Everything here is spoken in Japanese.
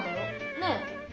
ねえ？